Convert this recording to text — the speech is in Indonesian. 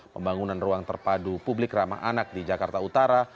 pembangunan ruang terpadu publik ramah anak di jakarta utara